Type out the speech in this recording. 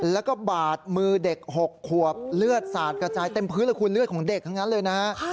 แล้วก็บาดมือเด็ก๖ขวบเลือดสาดกระจายเต็มพื้นเลยคุณเลือดของเด็กทั้งนั้นเลยนะฮะ